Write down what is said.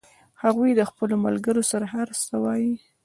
هغوی خپلو ملګرو سره هر څه وایي